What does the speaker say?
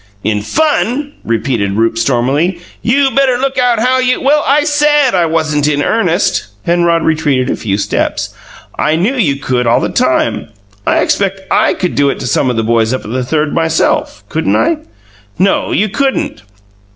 "In 'fun'!" repeated Rupe stormily. "You better look out how you " "Well, I SAID I wasn't in earnest!" Penrod retreated a few steps. "I knew you could, all the time. I expect I could do it to some of the boys up at the Third, myself. Couldn't I?" "No, you couldn't."